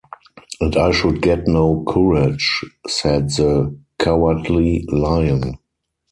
"And I should get no courage," said the Cowardly Lion.